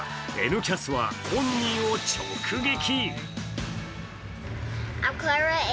「Ｎキャス」は本人を直撃。